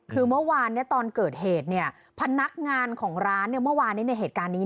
คือเมื่อวานตอนเกิดเหตุพนักงานของร้านเมื่อวานในเหตุการณ์นี้